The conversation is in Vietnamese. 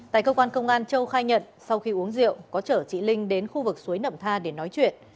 tại cơ quan công an châu khai nhận sau khi uống rượu có chở chị linh đến khu vực suối nậm tha để nói chuyện